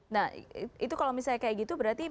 nah itu kalau misalnya kayak gitu berarti